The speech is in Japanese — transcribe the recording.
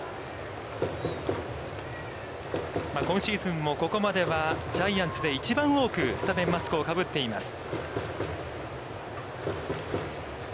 今シーズンもここまでは、ジャイアンツで一番多くスタメンマスクをかぶっています。